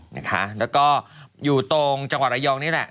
แล้วก็อยู่ตรงจังหวัดระยองนี่แหละ